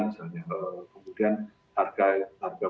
misalnya kemudian harga